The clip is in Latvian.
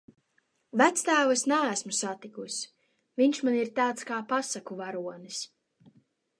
Vectēvu es neesmu satikusi, viņš man ir tāds kā pasaku varonis.